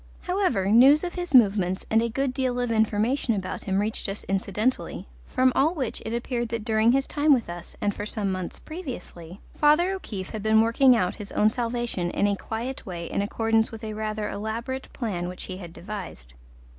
However, news of his movements and a good deal of information about him reached us incidentally, from all which it appeared that during his time with us, and for some months previously, Father O'Keefe had been working out his own salvation in a quiet way in accordance with a rather elaborate plan which he had devised.